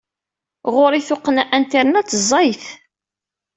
Ɣur-i tuqqna Internet ẓẓayet.